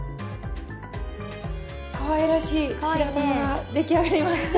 かわいらしい白玉が出来上がりました。